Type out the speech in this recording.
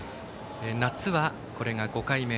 夏は、これが５回目。